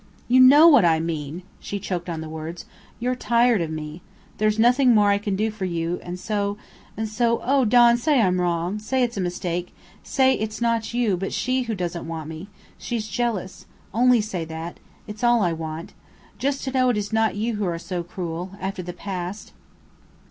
"You know what I mean!" She choked on the words. "You're tired of me! There's nothing more I can do for you, and so and so oh, Don, say I'm wrong! Say it's a mistake. Say it's not you but she who doesn't want me. She's jealous. Only say that. It's all I want. Just to know it is not you who are so cruel after the past!"